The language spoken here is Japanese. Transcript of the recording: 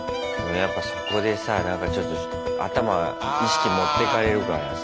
やっぱそこでさなんかちょっと頭意識持ってかれるからさ。